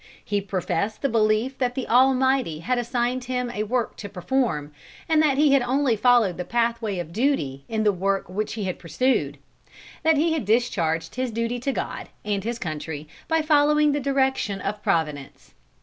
He professed the belief that the Almighty had assigned to him a work to perform, and that he had only followed the pathway of duty in the work he had pursued; that he had discharged his duty to God and his country by following the direction of Providence."